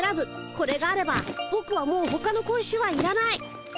これがあればぼくはもうほかの小石はいらない。